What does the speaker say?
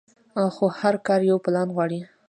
خو هر کار يو پلان غواړي.